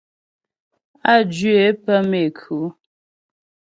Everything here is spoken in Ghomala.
Á jwǐ é pə́ méku.